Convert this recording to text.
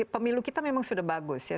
pemilu kita memang sudah bagus ya